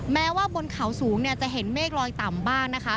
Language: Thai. แม้ว่าบนเขาสูงเนี่ยจะเห็นเมฆลอยต่ำบ้างนะคะ